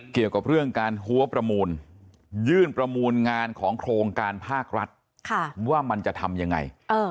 เกี่ยวกับเรื่องการหัวประมูลยื่นประมูลงานของโครงการภาครัฐว่ามันจะทำยังไง